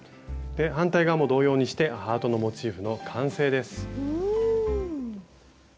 反対側も同様にしてハートのモチーフの完成です。